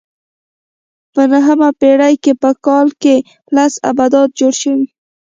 په نهمه پېړۍ کې په کال کې لس ابدات جوړ شوي.